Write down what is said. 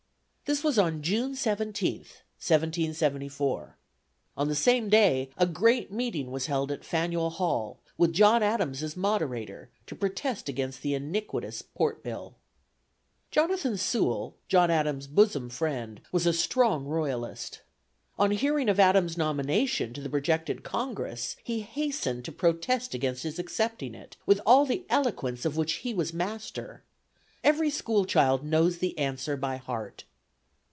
This was on June 17th, 1774. On the same day, a great meeting was held at Faneuil Hall, with John Adams as moderator to protest against the iniquitous Port Bill. Jonathan Sewall, John Adams' bosom friend, was a strong Royalist. On hearing of Adams' nomination to the projected Congress, he hastened to protest against his accepting it, with all the eloquence of which he was master. Every school child knows the answer by heart.